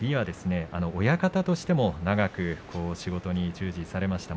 親方としても長く仕事に従事されました。